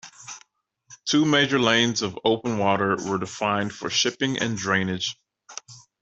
Two major lanes of open water were defined for shipping and drainage.